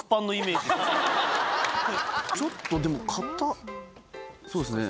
ちょっとでも硬そうですね。